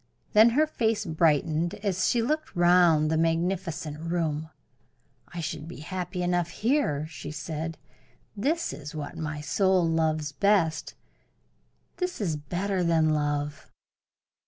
Then her face brightened as she looked round the magnificent room. "I should be happy enough here," she said. "This is what my soul loves best this is better than love."